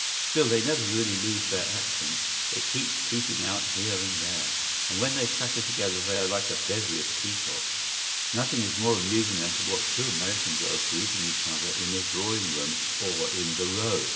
¬Ý Still, they never really lose their accent; it keeps peeping out here and there, and when they chatter together they are like a bevy of peacocks.¬Ý Nothing is more amusing than to watch two American girls greeting each other in a drawing room or in the Row.